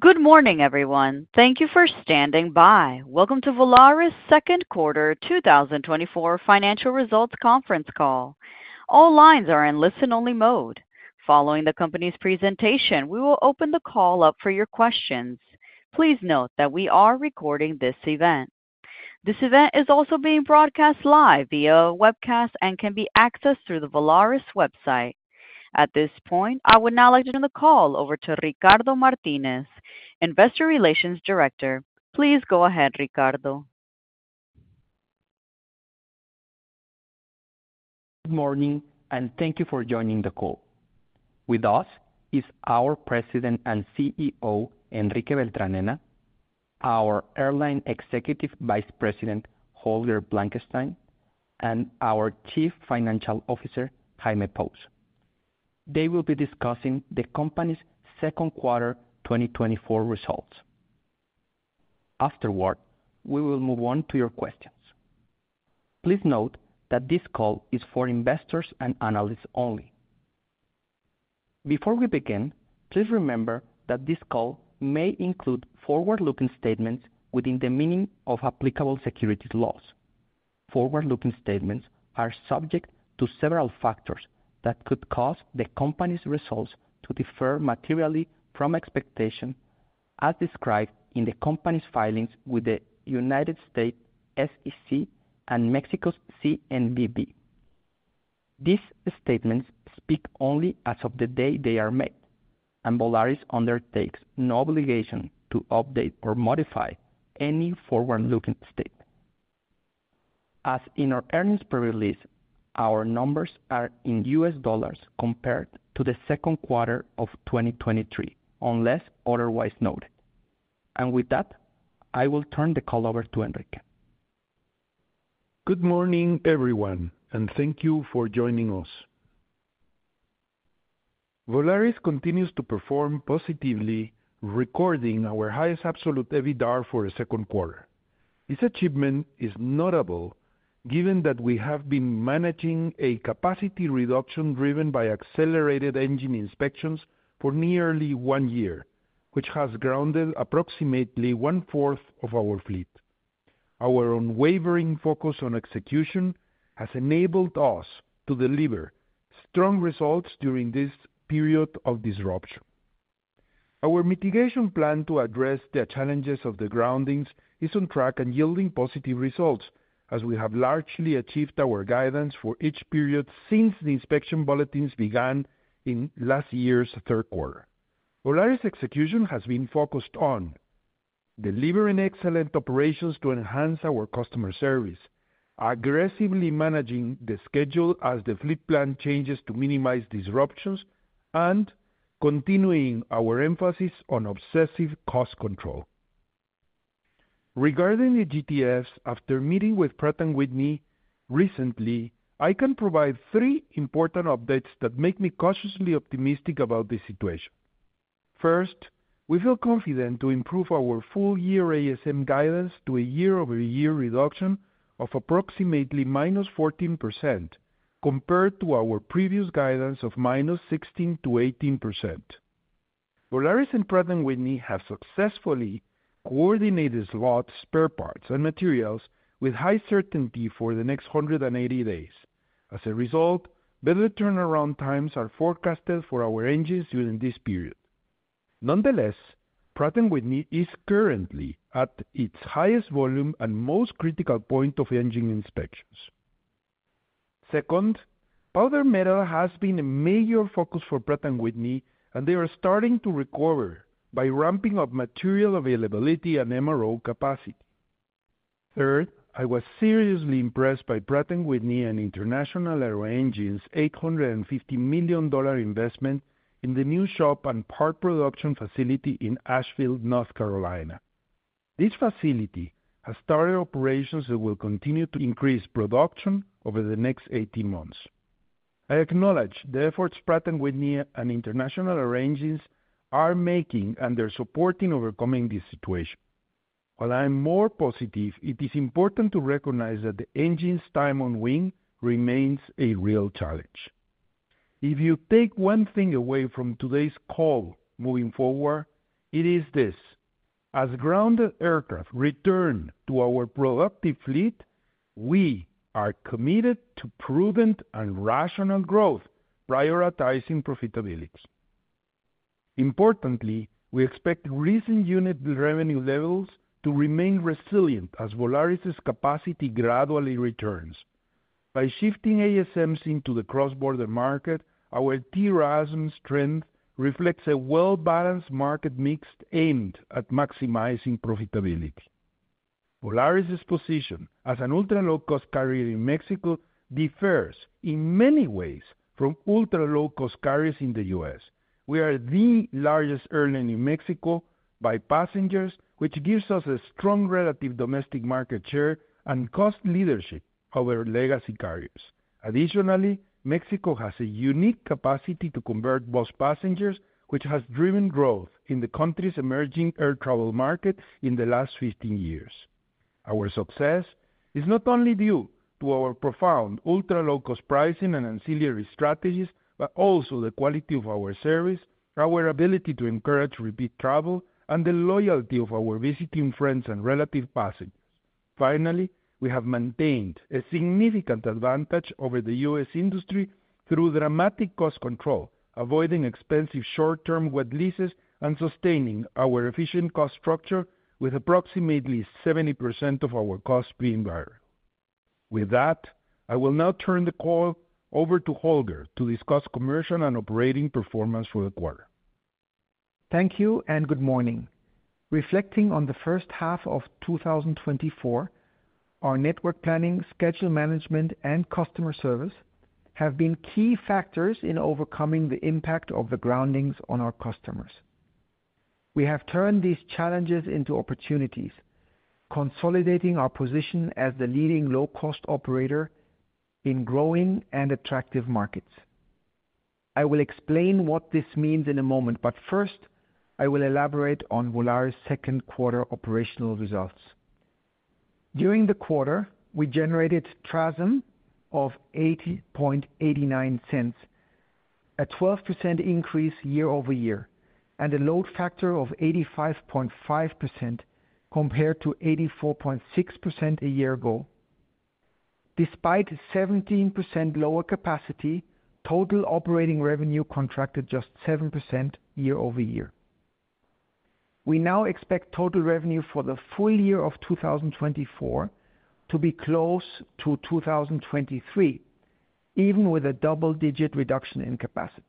Good morning, everyone. Thank you for standing by. Welcome to Volaris' second quarter 2024 financial results conference call. All lines are in listen-only mode. Following the company's presentation, we will open the call up for your questions. Please note that we are recording this event. This event is also being broadcast live via a webcast and can be accessed through the Volaris website. At this point, I would now like to turn the call over to Ricardo Martínez, Investor Relations Director. Please go ahead, Ricardo. Good morning, and thank you for joining the call. With us is our President and CEO, Enrique Beltranena, our Airline Executive Vice President, Holger Blankenstein, and our Chief Financial Officer, Jaime Pous. They will be discussing the company's second quarter 2024 results. Afterward, we will move on to your questions. Please note that this call is for investors and analysts only. Before we begin, please remember that this call may include forward-looking statements within the meaning of applicable securities laws. Forward-looking statements are subject to several factors that could cause the company's results to differ materially from expectations, as described in the company's filings with the U.S. SEC and Mexico's CNBV. These statements speak only as of the day they are made, and Volaris undertakes no obligation to update or modify any forward-looking statement. As in our earnings press release, our numbers are in U.S. dollars compared to the second quarter of 2023, unless otherwise noted. With that, I will turn the call over to Enrique. Good morning, everyone, and thank you for joining us. Volaris continues to perform positively, recording our highest absolute EBITDA for the second quarter. This achievement is notable, given that we have been managing a capacity reduction driven by accelerated engine inspections for nearly one year, which has grounded approximately 1/4 of our fleet. Our unwavering focus on execution has enabled us to deliver strong results during this period of disruption. Our mitigation plan to address the challenges of the groundings is on track and yielding positive results, as we have largely achieved our guidance for each period since the inspection bulletins began in last year's third quarter. Volaris' execution has been focused on: delivering excellent operations to enhance our customer service, aggressively managing the schedule as the fleet plan changes to minimize disruptions, and continuing our emphasis on obsessive cost control. Regarding the GTFs, after meeting with Pratt & Whitney recently, I can provide three important updates that make me cautiously optimistic about this situation. First, we feel confident to improve our full-year ASM guidance to a year-over-year reduction of approximately -14%, compared to our previous guidance of -16% to -18%. Volaris and Pratt & Whitney have successfully coordinated slots, spare parts, and materials with high certainty for the next 180 days. As a result, better turnaround times are forecasted for our engines during this period. Nonetheless, Pratt & Whitney is currently at its highest volume and most critical point of engine inspections. Second, powder metal has been a major focus for Pratt & Whitney, and they are starting to recover by ramping up material availability and MRO capacity. Third, I was seriously impressed by Pratt & Whitney and International Aero Engines' $850 million investment in the new shop and part production facility in Asheville, North Carolina. This facility has started operations that will continue to increase production over the next 18 months. I acknowledge the efforts Pratt & Whitney and International Aero Engines are making, and they're supporting overcoming this situation. While I am more positive, it is important to recognize that the engines' time on wing remains a real challenge. If you take one thing away from today's call moving forward, it is this: as grounded aircraft return to our productive fleet, we are committed to prudent and rational growth, prioritizing profitability. Importantly, we expect recent unit revenue levels to remain resilient as Volaris' capacity gradually returns. By shifting ASMs into the cross-border market, our TRASM strength reflects a well-balanced market mix aimed at maximizing profitability. Volaris' position as an ultra-low-cost carrier in Mexico differs in many ways from ultra-low-cost carriers in the U.S. We are the largest airline in Mexico by passengers, which gives us a strong relative domestic market share and cost leadership over legacy carriers. Additionally, Mexico has a unique capacity to convert bus passengers, which has driven growth in the country's emerging air travel market in the last 15 years. Our success is not only due to our profound ultra-low-cost pricing and ancillary strategies, but also the quality of our service, our ability to encourage repeat travel, and the loyalty of our visiting friends and relatives passengers. Finally, we have maintained a significant advantage over the U.S. industry through dramatic cost control, avoiding expensive short-term wet leases, and sustaining our efficient cost structure with approximately 70% of our costs being variable. With that, I will now turn the call over to Holger to discuss commercial and operating performance for the quarter. Thank you, and good morning. Reflecting on the first half of 2024, our network planning, schedule management, and customer service have been key factors in overcoming the impact of the groundings on our customers. We have turned these challenges into opportunities, consolidating our position as the leading low-cost operator in growing and attractive markets. I will explain what this means in a moment, but first, I will elaborate on Volaris' second quarter operational results. During the quarter, we generated TRASM of $0.8089, a 12% increase year-over-year, and a load factor of 85.5%, compared to 84.6% a year ago. Despite 17% lower capacity, total operating revenue contracted just 7% year-over-year. We now expect total revenue for the full year of 2024 to be close to 2023, even with a double-digit reduction in capacity.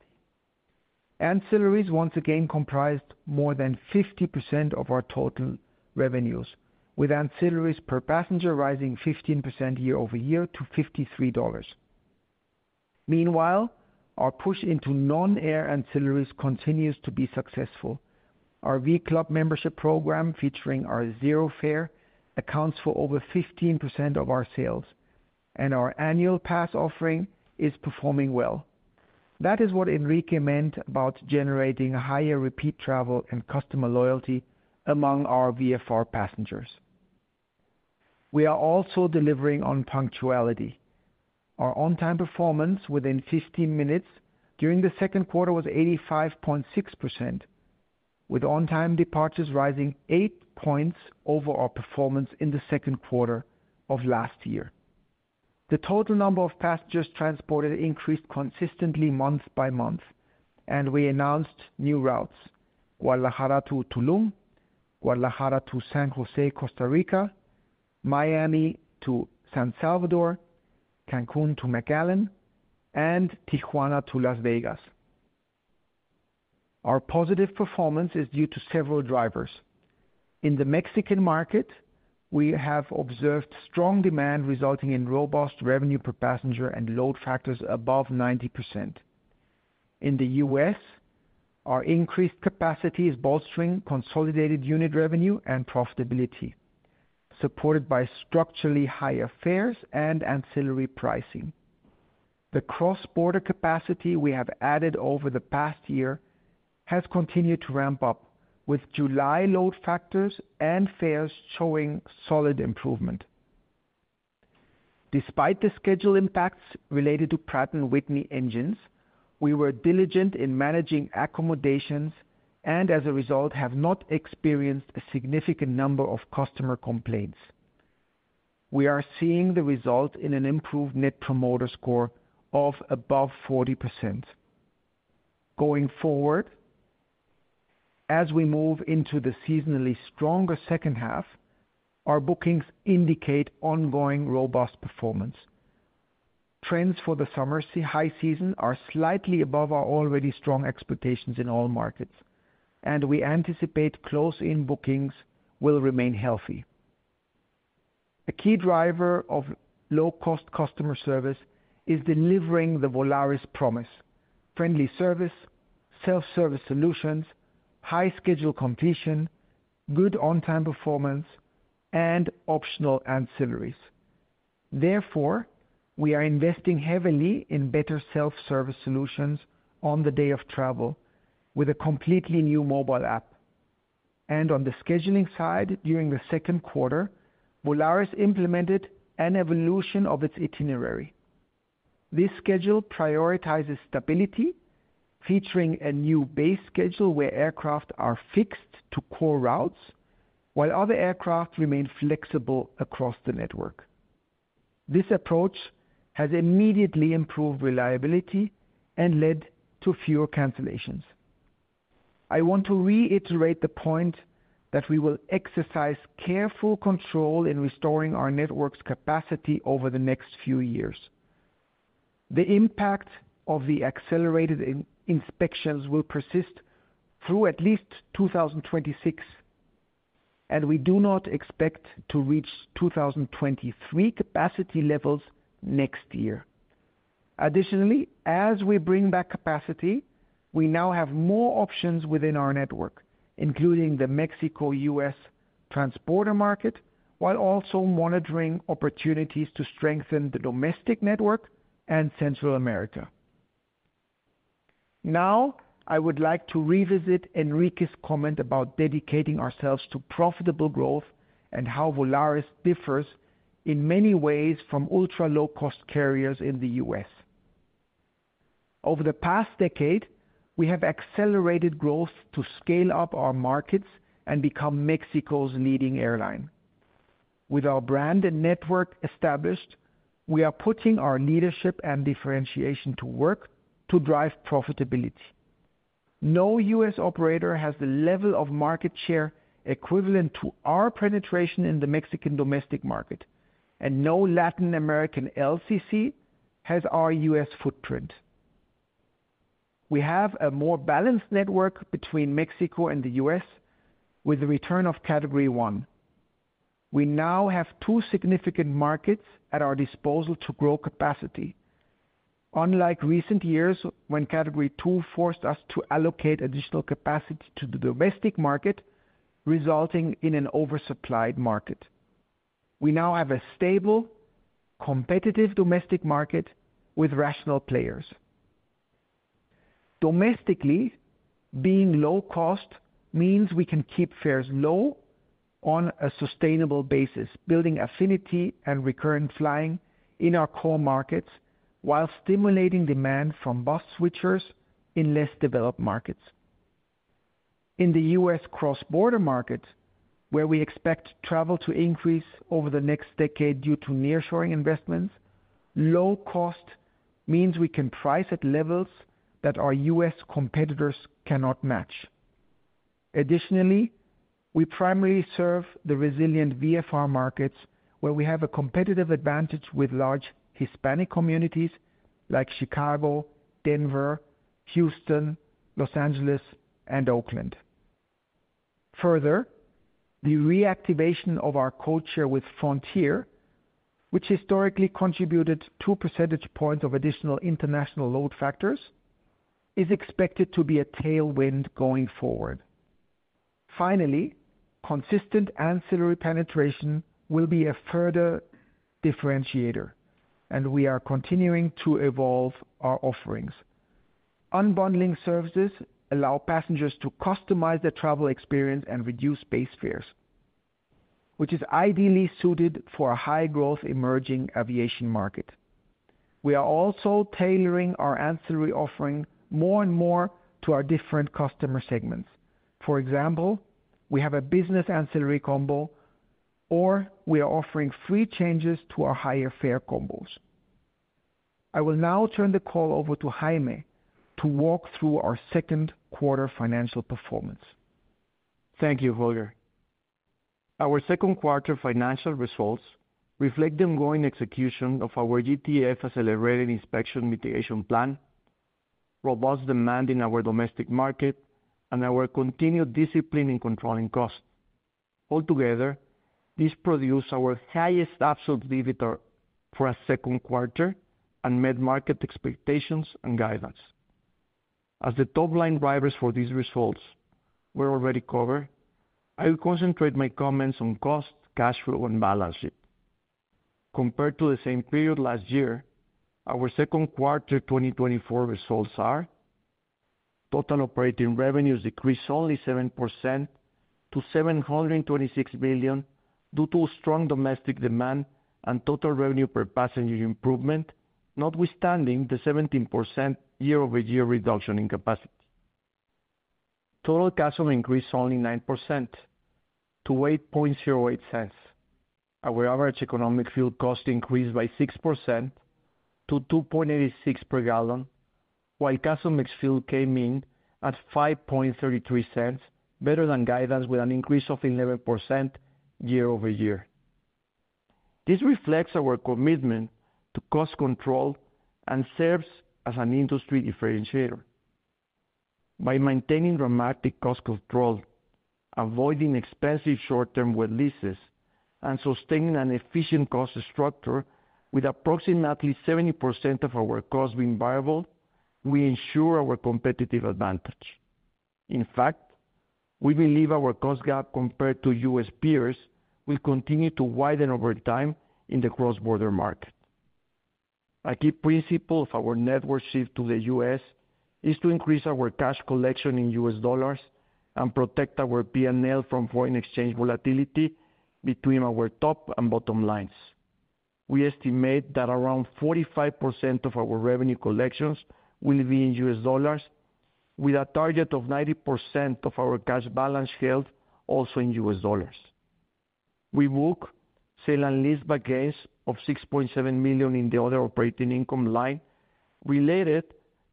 Ancillaries once again comprised more than 50% of our total revenues, with ancillaries per passenger rising 15% year-over-year to $53. Meanwhile, our push into non-air ancillaries continues to be successful. Our v.club membership program, featuring our Zero Fare, accounts for over 15% of our sales, and our Annual Pass offering is performing well. That is what Enrique meant about generating higher repeat travel and customer loyalty among our VFR passengers. We are also delivering on punctuality. Our on-time performance within 15 minutes during the second quarter was 85.6%, with on-time departures rising eight points over our performance in the second quarter of last year. The total number of passengers transported increased consistently month-by-month, and we announced new routes: Guadalajara to Tulum, Guadalajara to San José, Costa Rica, Miami to San Salvador, Cancún to McAllen, and Tijuana to Las Vegas. Our positive performance is due to several drivers. In the Mexican market, we have observed strong demand, resulting in robust revenue per passenger and load factors above 90%. In the U.S., our increased capacity is bolstering consolidated unit revenue and profitability, supported by structurally higher fares and ancillary pricing. The cross-border capacity we have added over the past year has continued to ramp up, with July load factors and fares showing solid improvement. Despite the schedule impacts related to Pratt & Whitney engines, we were diligent in managing accommodations and, as a result, have not experienced a significant number of customer complaints. We are seeing the result in an improved Net Promoter Score of above 40%. Going forward, as we move into the seasonally stronger second half, our bookings indicate ongoing robust performance. Trends for the summer high season are slightly above our already strong expectations in all markets, and we anticipate close-in bookings will remain healthy. A key driver of low-cost customer service is delivering the Volaris Promise: friendly service, self-service solutions, high schedule completion, good on-time performance, and optional ancillaries. Therefore, we are investing heavily in better self-service solutions on the day of travel with a completely new mobile app. On the scheduling side, during the second quarter, Volaris implemented an evolution of its itinerary. This schedule prioritizes stability, featuring a new base schedule where aircraft are fixed to core routes, while other aircraft remain flexible across the network. This approach has immediately improved reliability and led to fewer cancellations. I want to reiterate the point that we will exercise careful control in restoring our network's capacity over the next few years. The impact of the accelerated inspections will persist through at least 2026, and we do not expect to reach 2023 capacity levels next year. Additionally, as we bring back capacity, we now have more options within our network, including the Mexico-U.S. transborder market, while also monitoring opportunities to strengthen the domestic network and Central America. Now, I would like to revisit Enrique's comment about dedicating ourselves to profitable growth, and how Volaris differs in many ways from ultra-low-cost carriers in the U.S. Over the past decade, we have accelerated growth to scale up our markets and become Mexico's leading airline. With our brand and network established, we are putting our leadership and differentiation to work to drive profitability. No U.S. operator has the level of market share equivalent to our penetration in the Mexican domestic market, and no Latin American LCC has our U.S. footprint. We have a more balanced network between Mexico and the U.S., with the return of Category 1. We now have two significant markets at our disposal to grow capacity, unlike recent years, when Category 2 forced us to allocate additional capacity to the domestic market, resulting in an oversupplied market. We now have a stable, competitive domestic market with rational players. Domestically, being low cost means we can keep fares low on a sustainable basis, building affinity and recurrent flying in our core markets, while stimulating demand from bus switchers in less developed markets. In the U.S. cross-border market, where we expect travel to increase over the next decade due to nearshoring investments, low cost means we can price at levels that our U.S. competitors cannot match. Additionally, we primarily serve the resilient VFR markets, where we have a competitive advantage with large Hispanic communities like Chicago, Denver, Houston, Los Angeles, and Oakland. Further, the reactivation of our codeshare with Frontier, which historically contributed two percentage points of additional international load factors, is expected to be a tailwind going forward. Finally, consistent ancillary penetration will be a further differentiator, and we are continuing to evolve our offerings. Unbundling services allow passengers to customize their travel experience and reduce base fares, which is ideally suited for a high-growth, emerging aviation market. We are also tailoring our ancillary offering more and more to our different customer segments. For example, we have a business ancillary combo, or we are offering free changes to our higher fare combos. I will now turn the call over to Jaime to walk through our second quarter financial performance. Thank you, Holger. Our second quarter financial results reflect the ongoing execution of our GTF accelerated inspection mitigation plan, robust demand in our domestic market, and our continued discipline in controlling costs. Altogether, this produced our highest absolute EBITDA for a second quarter and met market expectations and guidance. As the top-line drivers for these results were already covered, I will concentrate my comments on cost, cash flow, and balance sheet. Compared to the same period last year, our second quarter 2024 results are: Total operating revenues decreased only 7% to $726 million, due to strong domestic demand and total revenue per passenger improvement, notwithstanding the 17% year-over-year reduction in capacity. Total CASM increased only 9% to $0.0808. Our average economic fuel cost increased by 6% to $2.86 per gallon, while CASM ex fuel came in at $0.0533, better than guidance, with an increase of 11% year-over-year. This reflects our commitment to cost control and serves as an industry differentiator. By maintaining dramatic cost control, avoiding expensive short-term wet leases, and sustaining an efficient cost structure with approximately 70% of our costs being variable, we ensure our competitive advantage. In fact, we believe our cost gap, compared to U.S. peers, will continue to widen over time in the cross-border market. A key principle of our network shift to the U.S., is to increase our cash collection in U.S. dollars and protect our P&L from foreign exchange volatility between our top and bottom lines. We estimate that around 45% of our revenue collections will be in U.S. dollars, with a target of 90% of our cash balance held also in U.S. dollars. We book sale and leaseback gains of $6.7 million in the other operating income line, related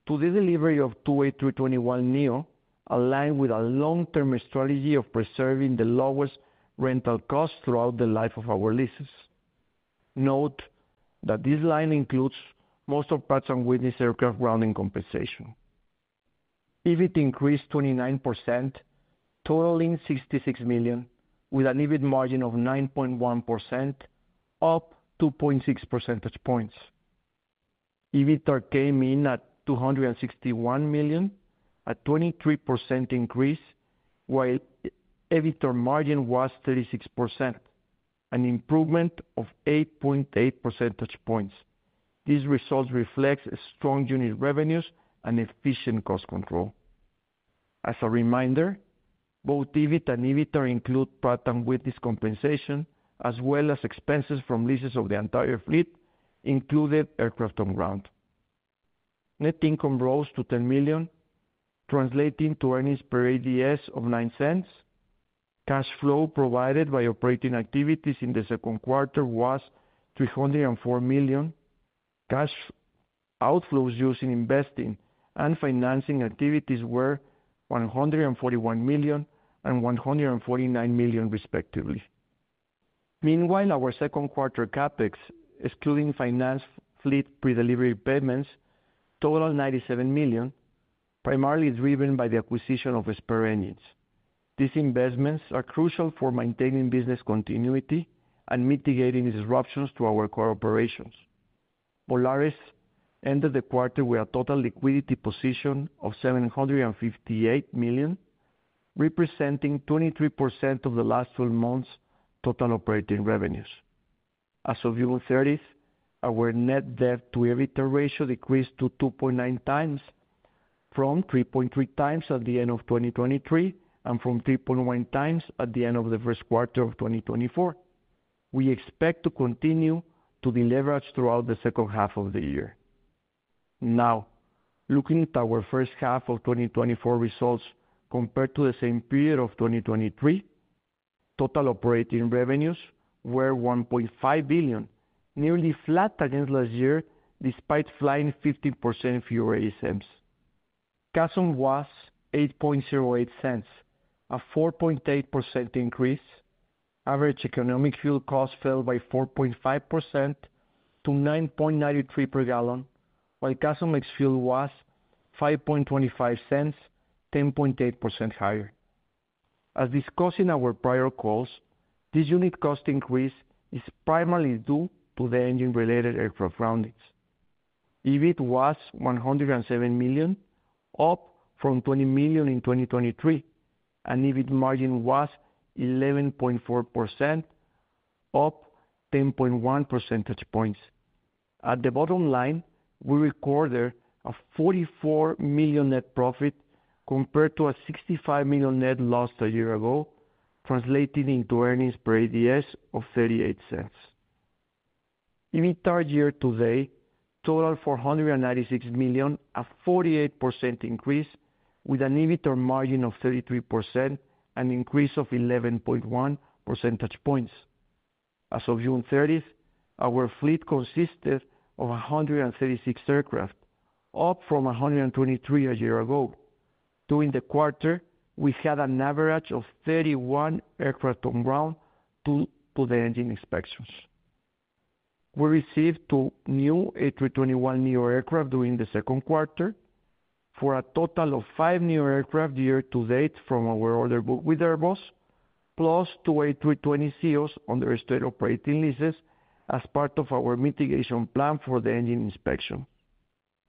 to the delivery of two A321neo, aligned with our long-term strategy of preserving the lowest rental costs throughout the life of our leases. Note that this line includes most of parts and wet lease aircraft grounding compensation. EBIT +29%, totaling $66 million, with an EBIT margin of 9.1%, up 2.6 percentage points. EBITDA came in at $261 million, a 23% increase, while EBITDA margin was 36%, an improvement of 8.8 percentage points. These results reflects strong unit revenues and efficient cost control. As a reminder, both EBIT and EBITDA include Pratt & Whitney's compensation, as well as expenses from leases of the entire fleet, including aircraft on ground. Net income rose to $10 million, translating to earnings per ADS of $0.09. Cash flow provided by operating activities in the second quarter was $304 million. Cash outflows using investing and financing activities were $141 million and $149 million, respectively. Meanwhile, our second quarter CapEx, excluding finance fleet pre-delivery payments, totaled $97 million, primarily driven by the acquisition of spare engines. These investments are crucial for maintaining business continuity and mitigating disruptions to our core operations. Volaris ended the quarter with a total liquidity position of $758 million, representing 23% of the last 12 months' total operating revenues. As of June 30, our net debt to EBITDA ratio decreased to 2.9x from 3.3x at the end of 2023, and from 3.1x at the end of the first quarter of 2024. We expect to continue to deleverage throughout the second half of the year. Now, looking at our first half of 2024 results compared to the same period of 2023, total operating revenues were $1.5 billion, nearly flat against last year, despite flying 15% fewer ASMs. CASM was $0.0808, a 4.8% increase. Average economic fuel costs fell by 4.5% to $9.93 per gallon, while CASM ex fuel was $0.0525, 10.8% higher. As discussed in our prior calls, this unit cost increase is primarily due to the engine-related aircraft groundings. EBIT was $107 million, up from $20 million in 2023, and EBIT margin was 11.4%, up 10.1 percentage points. At the bottom line, we recorded a $44 million net profit compared to a $65 million net loss a year ago, translating into earnings per ADS of $0.38. EBIT year-to-date totaled $496 million, a 48% increase, with an EBIT margin of 33%, an increase of 11.1 percentage points. As of June 30th, our fleet consisted of 136 aircraft, up from 123 a year ago. During the quarter, we had an average of 31 aircraft on ground due to the engine inspections. We received two new A321neo aircraft during the second quarter, for a total of five new aircraft year-to-date from our order book with Airbus, plus two A320ceos under straight operating leases as part of our mitigation plan for the engine inspection.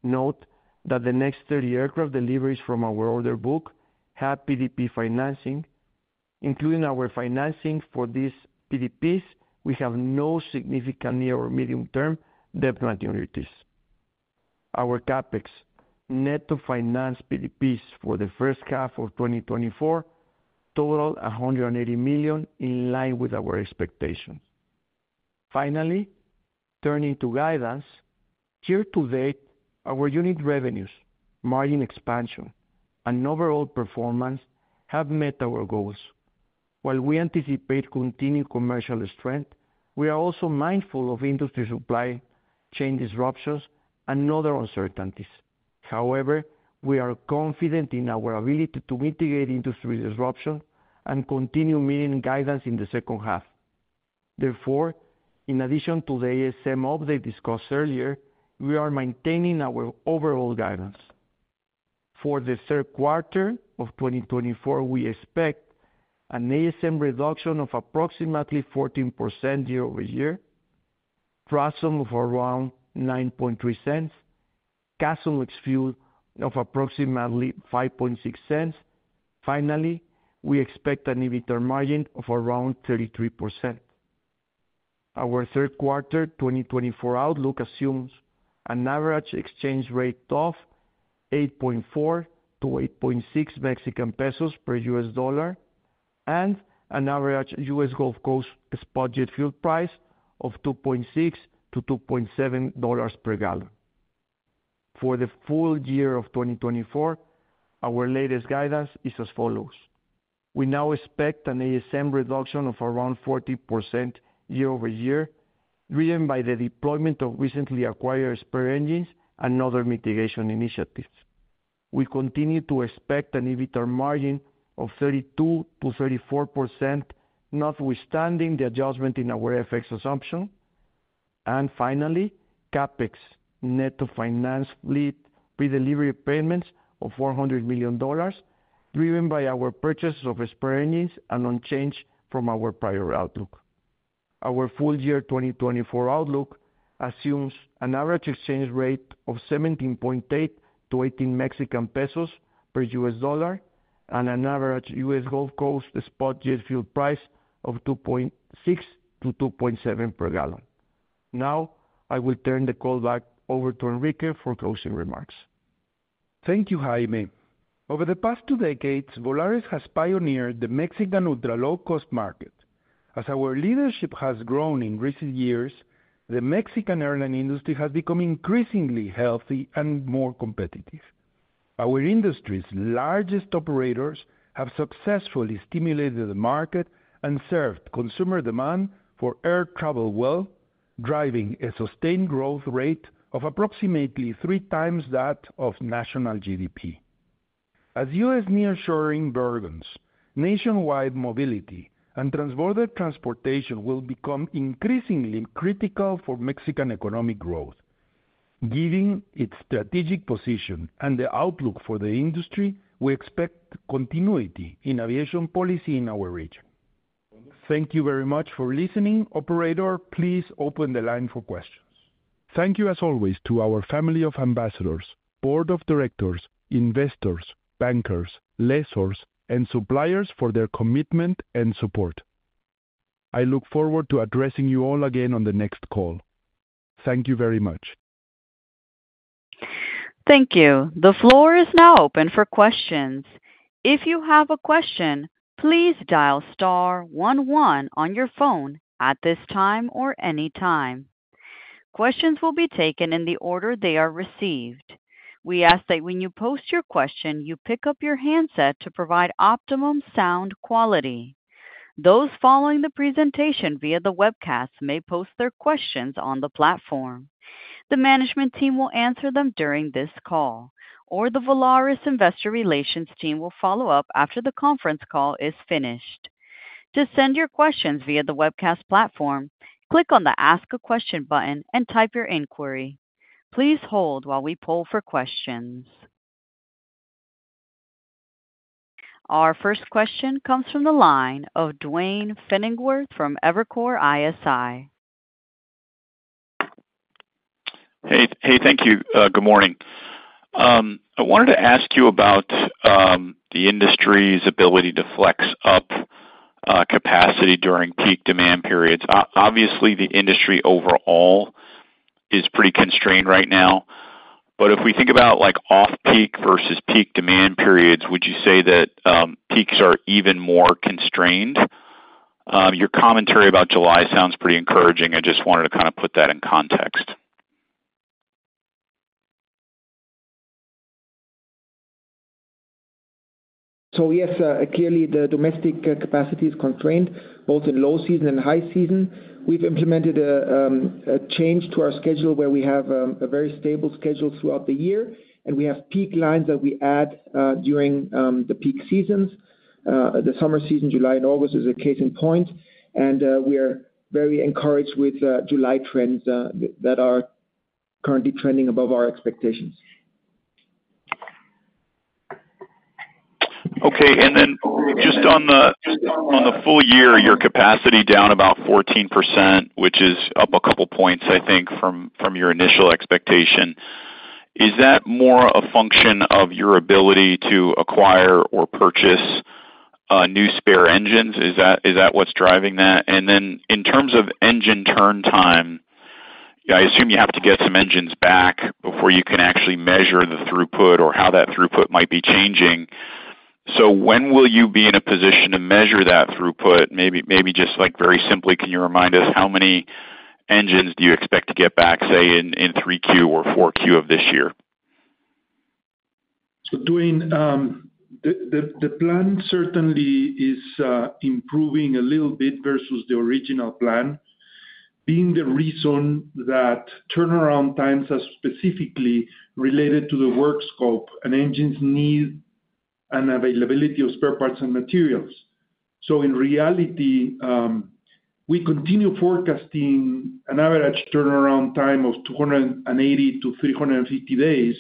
Note that the next 30 aircraft deliveries from our order book have PDP financing. Including our financing for these PDPs, we have no significant near or medium-term debt maturities. Our CapEx, net to finance PDPs for the first half of 2024, totaled $180 million, in line with our expectations. Finally, turning to guidance. Year-to-date, our unit revenues, margin expansion, and overall performance have met our goals. While we anticipate continued commercial strength, we are also mindful of industry supply chain disruptions and other uncertainties. However, we are confident in our ability to mitigate industry disruption and continue meeting guidance in the second half. Therefore, in addition to the ASM update discussed earlier, we are maintaining our overall guidance. For the third quarter of 2024, we expect an ASM reduction of approximately 14% year-over-year, TRASM of around 9.3 cents, CASM ex fuel of approximately 5.6 cents. Finally, we expect an EBITDA margin of around 33%. Our third quarter 2024 outlook assumes an average exchange rate of 8.4-8.6 Mexican pesos per U.S. dollar, and an average U.S. Gulf Coast spot jet fuel price of $2.6-$2.7 per gallon. For the full year of 2024, our latest guidance is as follows: We now expect an ASM reduction of around 40% year-over-year, driven by the deployment of recently acquired spare engines and other mitigation initiatives. We continue to expect an EBITDA margin of 32%-34%, notwithstanding the adjustment in our FX assumption. Finally, CapEx net to finance fleet pre-delivery payments of $400 million, driven by our purchase of spare engines and unchanged from our prior outlook. Our full year 2024 outlook assumes an average exchange rate of 17.8-18 Mexican pesos per USD, and an average U.S. Gulf Coast spot jet fuel price of $2.6-$2.7 per gallon. Now, I will turn the call back over to Enrique for closing remarks. Thank you, Jaime. Over the past two decades, Volaris has pioneered the Mexican ultra-low-cost market. As our leadership has grown in recent years, the Mexican airline industry has become increasingly healthy and more competitive. Our industry's largest operators have successfully stimulated the market and served consumer demand for air travel well, driving a sustained growth rate of approximately three times that of national GDP. As U.S. nearshoring burgeons, nationwide mobility, and transborder transportation will become increasingly critical for Mexican economic growth. Given its strategic position and the outlook for the industry, we expect continuity in aviation policy in our region. Thank you very much for listening. Operator, please open the line for questions. Thank you as always, to our family of ambassadors, board of directors, investors, bankers, lessors, and suppliers for their commitment and support. I look forward to addressing you all again on the next call. Thank you very much. Thank you. The floor is now open for questions. If you have a question, please dial star one one on your phone at this time or any time. Questions will be taken in the order they are received. We ask that when you post your question, you pick up your handset to provide optimum sound quality. Those following the presentation via the webcast may post their questions on the platform. The management team will answer them during this call, or the Volaris investor relations team will follow up after the conference call is finished. To send your questions via the webcast platform, click on the Ask a Question button and type your inquiry. Please hold while we poll for questions. Our first question comes from the line of Duane Pfennigwerth from Evercore ISI. Hey, hey, thank you. Good morning. I wanted to ask you about the industry's ability to flex up capacity during peak demand periods. Obviously, the industry overall is pretty constrained right now, but if we think about, like, off-peak versus peak demand periods, would you say that peaks are even more constrained? Your commentary about July sounds pretty encouraging. I just wanted to kind of put that in context. So yes, clearly the domestic capacity is constrained, both in low season and high season. We've implemented a change to our schedule, where we have a very stable schedule throughout the year, and we have peak lines that we add during the peak seasons. The summer season, July and August, is a case in point, and we are very encouraged with July trends that are currently trending above our expectations. Okay. Then just on the full year, your capacity down about 14%, which is up a couple points, I think, from your initial expectation. Is that more a function of your ability to acquire or purchase new spare engines? Is that what's driving that? And then in terms of engine turn time, I assume you have to get some engines back before you can actually measure the throughput or how that throughput might be changing. So when will you be in a position to measure that throughput? Maybe just, like, very simply, can you remind us how many engines do you expect to get back, say, in Q3 or Q4 of this year? So Duane, the plan certainly is improving a little bit versus the original plan, being the reason that turnaround times are specifically related to the work scope, and engines need an availability of spare parts and materials. So in reality, we continue forecasting an average turnaround time of 280-350 days,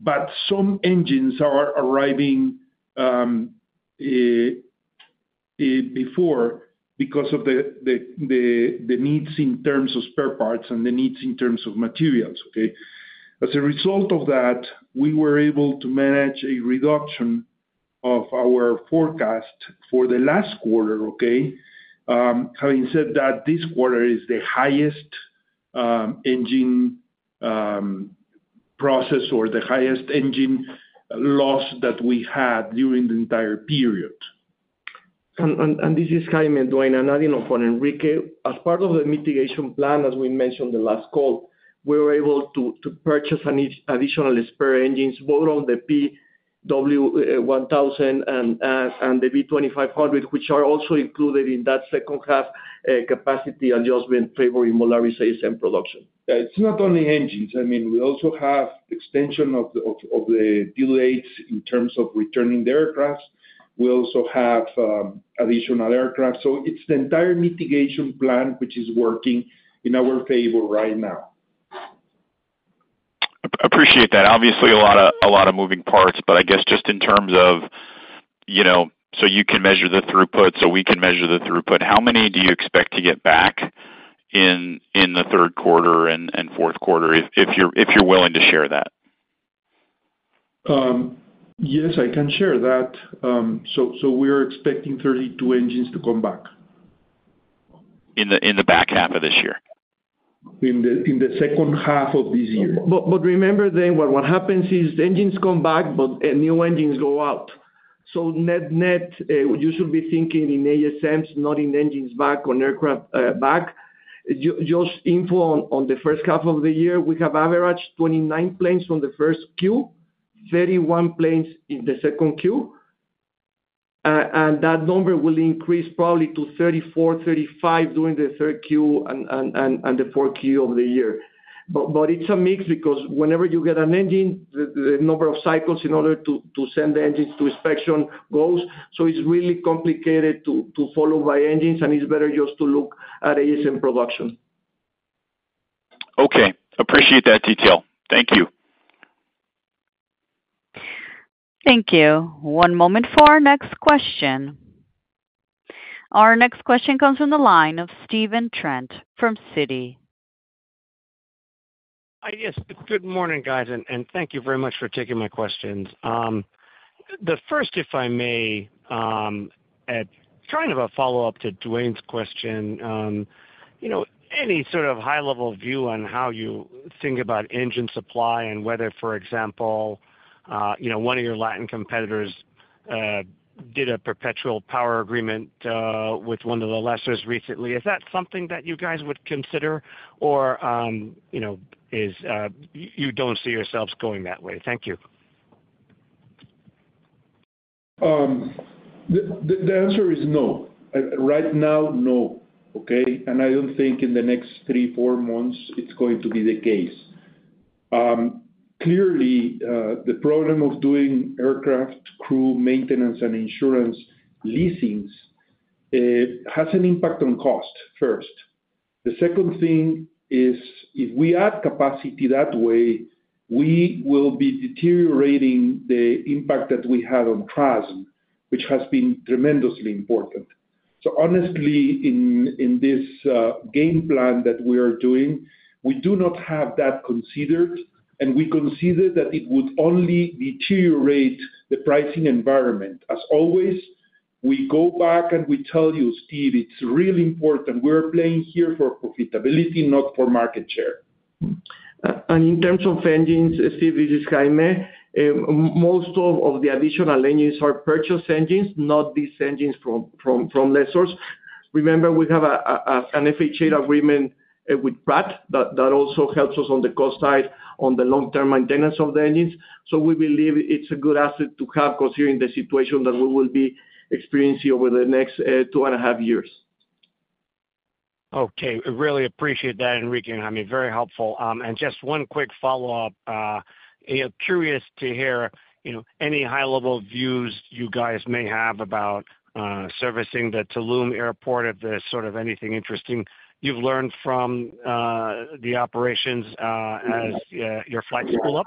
but some engines are arriving before, because of the needs in terms of spare parts and the needs in terms of materials, okay? As a result of that, we were able to manage a reduction of our forecast for the last quarter, okay? Having said that, this quarter is the highest engine process or the highest engine loss that we had during the entire period. This is Jaime, Duane, and adding on for Enrique. As part of the mitigation plan, as we mentioned the last call, we were able to purchase an additional spare engines, both on the PW1000 and the V2500, which are also included in that second half capacity adjustment favoring Volaris sales and production. Yeah, it's not only engines. I mean, we also have extension of the delays in terms of returning the aircraft. We also have additional aircraft. So it's the entire mitigation plan, which is working in our favor right now. Appreciate that. Obviously, a lot of, a lot of moving parts, but I guess just in terms of, you know, so you can measure the throughput, so we can measure the throughput, how many do you expect to get back in, in the third quarter and, and fourth quarter, if, if you're, if you're willing to share that? Yes, I can share that. So, we're expecting 32 engines to come back. In the back half of this year? In the second half of this year. But remember then, what happens is the engines come back, but new engines go out. So net, you should be thinking in ASMs, not in engines back or aircraft back. Just info on the first half of the year, we have averaged 29 planes from the first Q, 31 planes in the second Q. And that number will increase probably to 34, 35 during the third Q and the fourth Q of the year. But it's a mix because whenever you get an engine, the number of cycles in order to send the engines to inspection goes, so it's really complicated to follow by engines, and it's better just to look at ASM production. Okay, appreciate that detail. Thank you. Thank you. One moment for our next question. Our next question comes from the line of Stephen Trent from Citi. Hi, yes, good morning, guys, and thank you very much for taking my questions. The first, if I may, at kind of a follow-up to Duane's question, you know, any sort of high-level view on how you think about engine supply and whether, for example, you know, one of your Latin competitors did a perpetual power agreement with one of the lessors recently. Is that something that you guys would consider? Or, you don't see yourselves going that way? Thank you. The answer is no. Right now, no, okay? I don't think in the next three, four months, it's going to be the case. Clearly, the problem of doing aircraft, crew, maintenance, and insurance leasings has an impact on cost, first. The second thing is, if we add capacity that way, we will be deteriorating the impact that we have on TRASM, which has been tremendously important. So honestly, in this game plan that we are doing, we do not have that considered, and we consider that it would only deteriorate the pricing environment. As always, we go back, and we tell you, Steve, it's really important. We're playing here for profitability, not for market share. And in terms of engines, Steve, this is Jaime. Most of the additional engines are purchase engines, not these engines from lessors. Remember, we have an FHA agreement with Pratt that also helps us on the cost side, on the long-term maintenance of the engines. So we believe it's a good asset to have, considering the situation that we will be experiencing over the next 2.5 years. Okay, I really appreciate that, Enrique and Jaime. Very helpful. Just one quick follow-up. Curious to hear, you know, any high-level views you guys may have about servicing the Tulum Airport, if there's sort of anything interesting you've learned from the operations as your flights go up?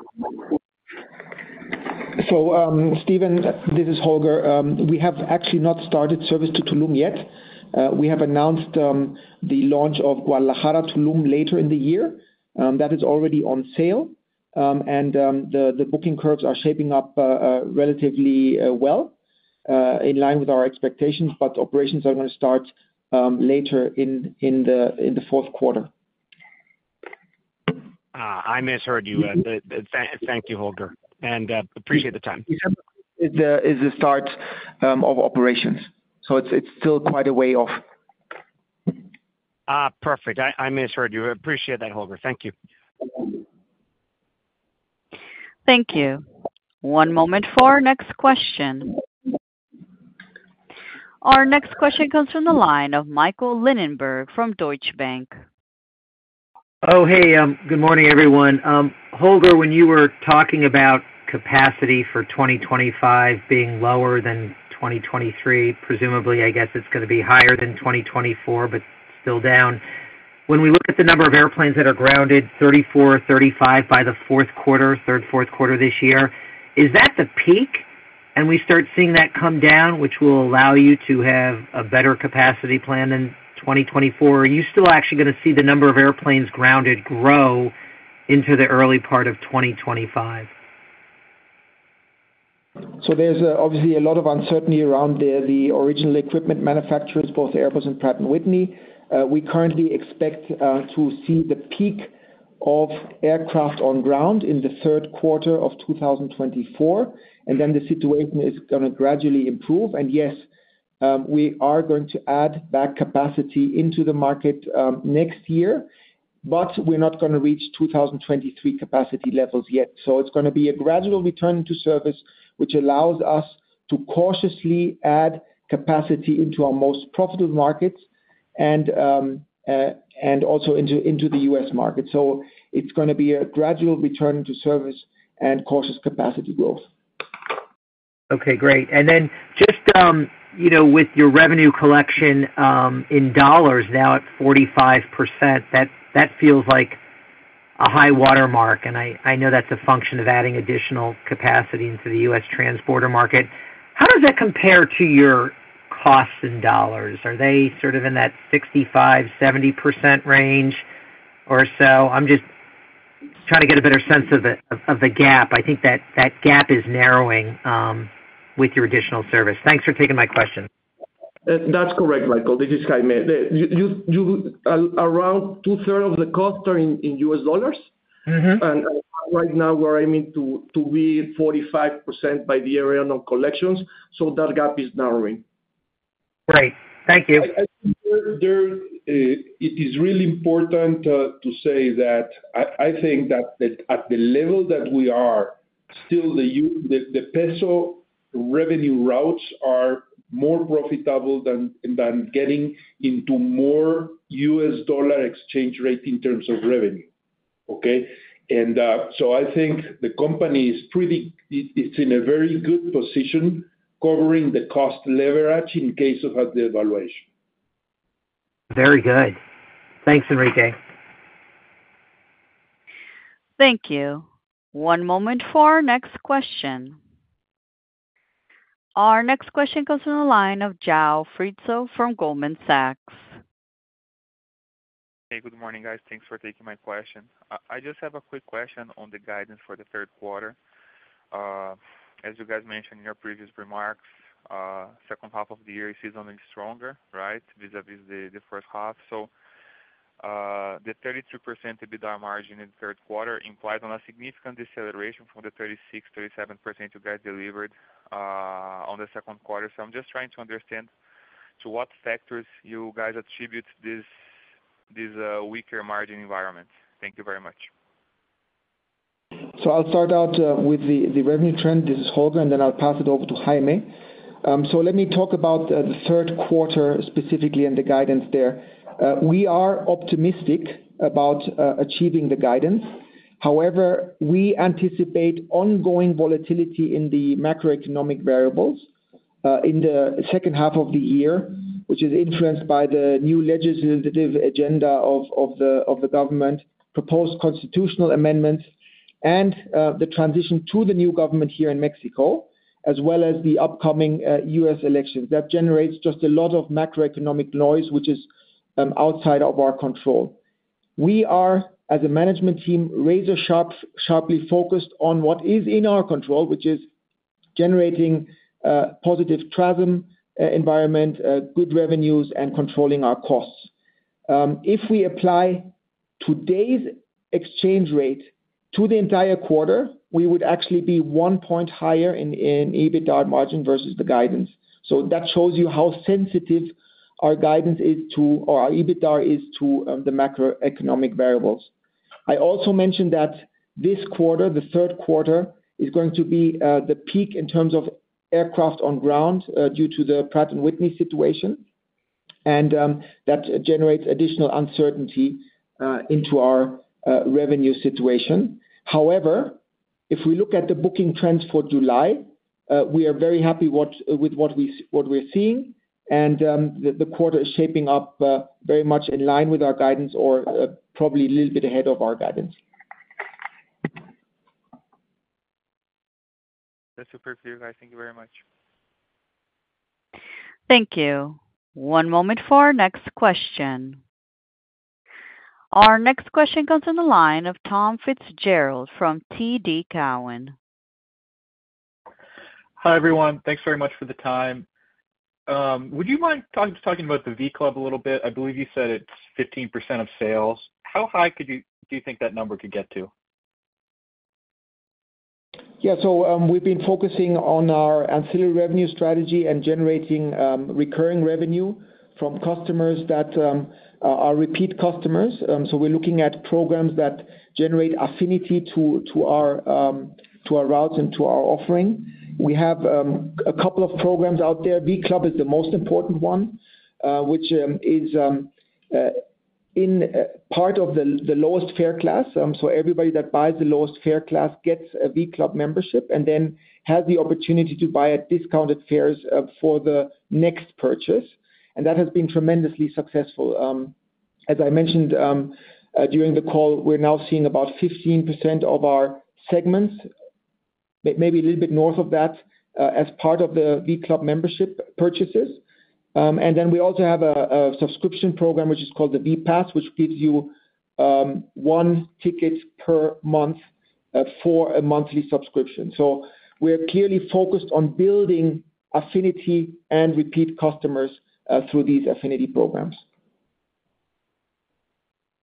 So, Stephen, this is Holger. We have actually not started service to Tulum yet. We have announced the launch of Guadalajara to Tulum later in the year. That is already on sale. And the booking curves are shaping up relatively well in line with our expectations, but operations are gonna start later in the fourth quarter. Ah, I misheard you. Thank you, Holger, and appreciate the time. It is the start of operations, so it's still quite a way off. Ah, perfect. I misheard you. I appreciate that, Holger. Thank you. Thank you. One moment for our next question. Our next question comes from the line of Michael Linenberg from Deutsche Bank. Good morning, everyone. Holger, when you were talking about capacity for 2025 being lower than 2023, presumably, I guess, it's gonna be higher than 2024, but still down. When we look at the number of airplanes that are grounded, 34, 35 by the fourth quarter, third, fourth quarter this year, is that the peak? We start seeing that come down, which will allow you to have a better capacity plan in 2024. Are you still actually gonna see the number of airplanes grounded grow into the early part of 2025? So there's obviously a lot of uncertainty around the original equipment manufacturers, both Airbus and Pratt & Whitney. We currently expect to see the peak of aircraft on ground in the third quarter of 2024, and then the situation is gonna gradually improve. And yes, we are going to add back capacity into the market next year, but we're not gonna reach 2023 capacity levels yet. So it's gonna be a gradual return to service, which allows us to cautiously add capacity into our most profitable markets and also into the U.S. market. So it's gonna be a gradual return to service and cautious capacity growth. Okay, great. Then just, you know, with your revenue collection in dollars now at 45%, that, that feels like a high watermark, and I, I know that's a function of adding additional capacity into the U.S. transborder market. How does that compare to your costs in dollars? Are they sort of in that 65%-70% range or so? I'm just trying to get a better sense of the, of, of the gap. I think that that gap is narrowing with your additional service. Thanks for taking my question. That's correct, Michael. This is Jaime. Around two-thirds of the costs are in U.S. dollars. Mm-hmm. Right now, we're aiming to be 45% by the end of collections, so that gap is narrowing. Great. Thank you. It is really important to say that I think that at the level that we are, still the peso revenue routes are more profitable than getting into more U.S. dollar exchange rate in terms of revenue, okay? And so I think the company is, it's in a very good position, covering the cost leverage in case of a devaluation. Very good. Thanks, Enrique. Thank you. One moment for our next question. Our next question comes from the line of João Frizo from Goldman Sachs. Hey, good morning, guys. Thanks for taking my question. I just have a quick question on the guidance for the third quarter. As you guys mentioned in your previous remarks, second half of the year is seasonally stronger, right, vis-à-vis the first half. The 32% EBITDA margin in the third quarter implies on a significant deceleration from the 36%-37% you guys delivered on the second quarter. I'm just trying to understand to what factors you guys attribute this weaker margin environment. Thank you very much. So I'll start out with the revenue trend. This is Holger, and then I'll pass it over to Jaime. So let me talk about the third quarter, specifically and the guidance there. We are optimistic about achieving the guidance. However, we anticipate ongoing volatility in the macroeconomic variables in the second half of the year, which is influenced by the new legislative agenda of the government, proposed constitutional amendments, and the transition to the new government here in Mexico, as well as the upcoming U.S. election. That generates just a lot of macroeconomic noise, which is outside of our control. We are, as a management team, razor sharply focused on what is in our control, which is generating positive travel environment, good revenues, and controlling our costs. If we apply today's exchange rate to the entire quarter, we would actually be one point higher in EBITDA margin versus the guidance. So that shows you how sensitive our guidance is to, or our EBITDA is to, the macroeconomic variables. I also mentioned that this quarter, the third quarter, is going to be the peak in terms of aircraft on ground due to the Pratt & Whitney situation, and that generates additional uncertainty into our revenue situation. However, if we look at the booking trends for July, we are very happy with what we're seeing, and the quarter is shaping up very much in line with our guidance or probably a little bit ahead of our guidance. That's super clear, guys. Thank you very much. Thank you. One moment for our next question. Our next question comes on the line of Tom Fitzgerald from TD Cowen. Hi, everyone. Thanks very much for the time. Would you mind talking about the v.club a little bit? I believe you said it's 15% of sales. How high do you think that number could get to? Yeah. So, we've been focusing on our ancillary revenue strategy and generating recurring revenue from customers that are repeat customers. So we're looking at programs that generate affinity to our routes and to our offering. We have a couple of programs out there. v.club is the most important one, which is in part of the lowest fare class. So everybody that buys the lowest fare class gets a v.club membership, and then has the opportunity to buy at discounted fares for the next purchase, and that has been tremendously successful. As I mentioned during the call, we're now seeing about 15% of our segments, maybe a little bit north of that, as part of the v.club membership purchases. We also have a subscription program, which is called the v.pass which gives you one ticket per month for a monthly subscription. So we're clearly focused on building affinity and repeat customers through these affinity programs.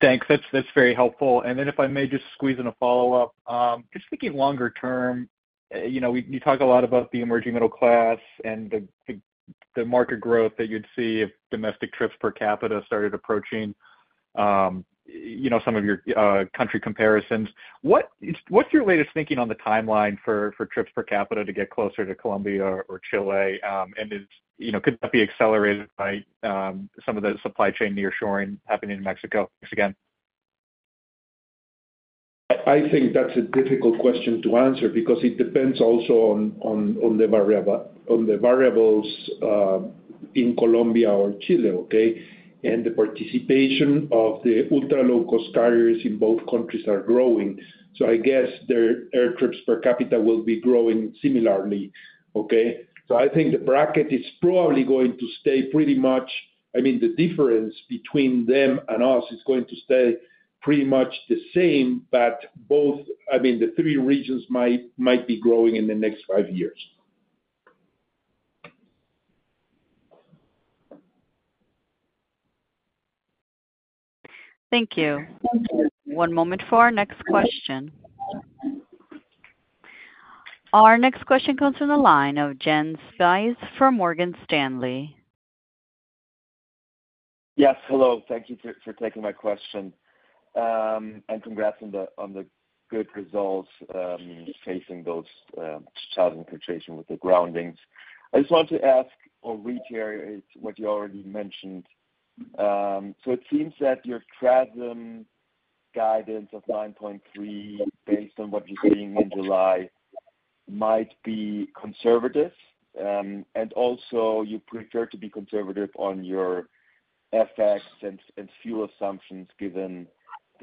Thanks. That's, that's very helpful. And then if I may just squeeze in a follow-up. Just thinking longer term, you know, you talk a lot about the emerging middle class and the market growth that you'd see if domestic trips per capita started approaching, you know, some of your country comparisons. What's your latest thinking on the timeline for trips per capita to get closer to Colombia or Chile? And is. You know, could that be accelerated by some of the supply chain nearshoring happening in Mexico? Thanks again. I think that's a difficult question to answer because it depends also on the variables in Colombia or Chile, okay? And the participation of the ultra-low-cost carriers in both countries are growing. So I guess their air trips per capita will be growing similarly, okay? So I think the bracket is probably going to stay pretty much the same. I mean, the difference between them and us is going to stay pretty much the same, but both, I mean, the three regions might be growing in the next five years. Thank you. One moment for our next question. Our next question comes from the line of Jens Spiess from Morgan Stanley. Yes, hello. Thank you for, for taking my question. And congrats on the, on the good results, facing those challenging situation with the groundings. I just wanted to ask or reiterate what you already mentioned. So it seems that your CASM guidance of 9.3, based on what you're seeing in July, might be conservative. And also, you prefer to be conservative on your FX and fuel assumptions given the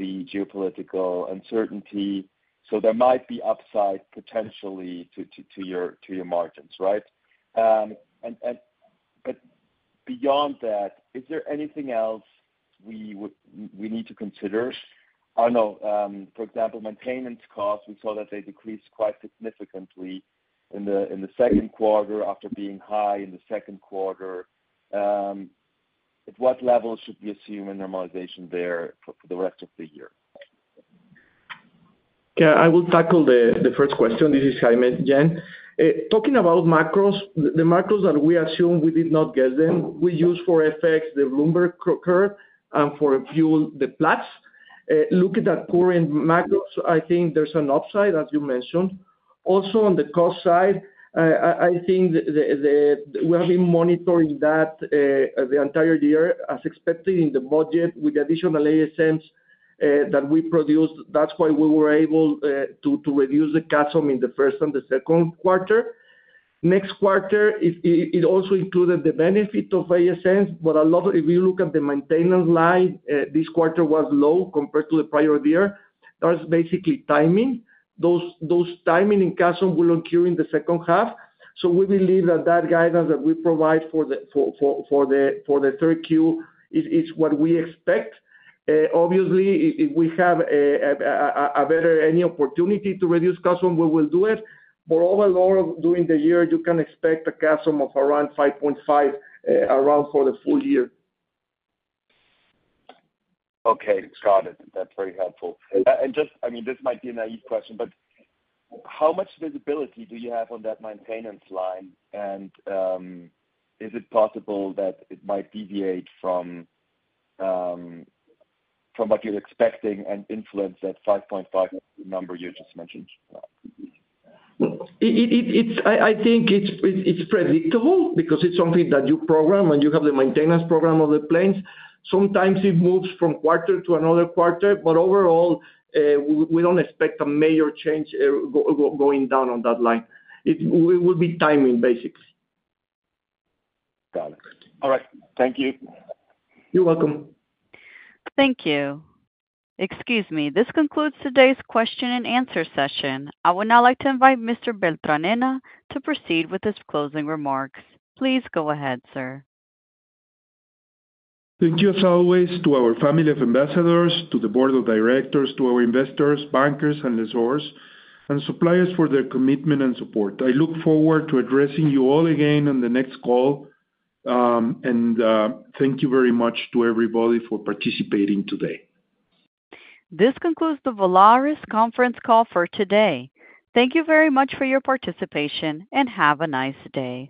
geopolitical uncertainty. So there might be upside potentially to your margins, right? But beyond that, is there anything else we would we need to consider? I know, for example, maintenance costs, we saw that they decreased quite significantly in the second quarter after being high in the second quarter. At what level should we assume a normalization there for the rest of the year? Yeah, I will tackle the first question. This is Jaime, Jen. Talking about macros, the macros that we assumed, we did not get them. We use for FX, the Bloomberg curve, and for fuel, the Platts. Looking at current macros, I think there's an upside, as you mentioned. Also, on the cost side, I think the—we have been monitoring that the entire year, as expected in the budget, with additional ASMs that we produced. That's why we were able to reduce the CASM in the first and the second quarter. Next quarter, it also included the benefit of ASMs, but a lot of it, if you look at the maintenance line, this quarter was low compared to the prior year. That's basically timing. Those timings in CASM will occur in the second half. So we believe that that guidance that we provide for the third Q is what we expect. Obviously, if we have a better opportunity to reduce CASM, we will do it. But overall, during the year, you can expect a CASM of around 5.5 for the full year. Okay, got it. That's very helpful. And just, I mean, this might be a naive question, but how much visibility do you have on that maintenance line? And, is it possible that it might deviate from what you're expecting and influence that 5.5 number you just mentioned? It's predictable because it's something that you program, and you have the maintenance program on the planes. Sometimes it moves from quarter to another quarter, but overall, we don't expect a major change, going down on that line. It will be timing, basically. Got it. All right. Thank you. You're welcome. Thank you. Excuse me. This concludes today's question and answer session. I would now like to invite Mr. Beltranena to proceed with his closing remarks. Please go ahead, sir. Thank you as always to our family of ambassadors, to the board of directors, to our investors, bankers, and lessors, and suppliers for their commitment and support. I look forward to addressing you all again on the next call. Thank you very much to everybody for participating today. This concludes the Volaris conference call for today. Thank you very much for your participation, and have a nice day.